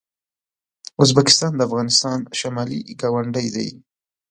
ازبکستان د افغانستان شمالي ګاونډی دی.